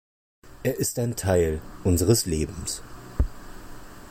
Er ist ein Teil unseres Lebens.